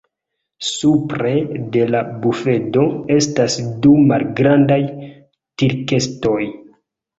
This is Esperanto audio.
Supre de la bufedo estas du malgrandaj tirkestoj.